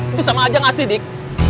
itu sama aja ngasih dik